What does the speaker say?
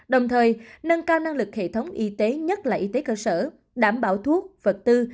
đồng thời nâng cao năng lực hệ thống y tế nhất là y tế cơ sở đảm bảo thuốc vật tư